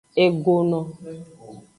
Egono.